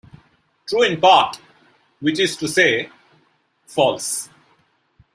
True in part, which is to say, false.